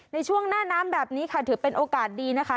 ในช่วงหน้าน้ำแบบนี้ค่ะถือเป็นโอกาสดีนะคะ